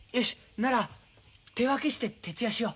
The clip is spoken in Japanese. なら手分けして徹夜しよう。